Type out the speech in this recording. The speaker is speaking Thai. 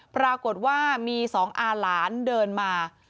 ปรากฏว่ามี๒อาหลานเดินมา